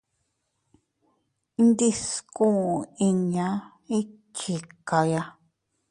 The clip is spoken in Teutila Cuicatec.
Ndiskuu inña iychikaya.